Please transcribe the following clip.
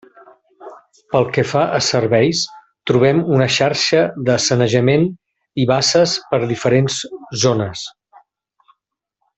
Pel que fa a serveis trobem una xarxa de sanejament i basses per diferents zones.